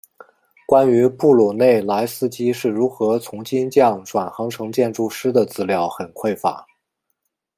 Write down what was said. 关于布鲁内莱斯基是如何从金匠转行成建筑师的资料很匮乏。